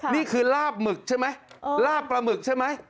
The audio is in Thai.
นี่คือลาบหมึกใช่ไหมลาบปลาหมึกใช่ไหม